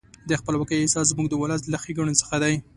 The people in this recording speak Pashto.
د خپلواکۍ احساس زموږ د ولس له ښېګڼو څخه دی.